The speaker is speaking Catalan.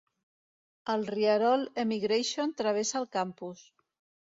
El rierol Emigration travessa el campus.